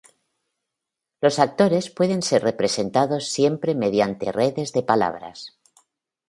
Los actores pueden ser representados siempre mediante redes de palabras.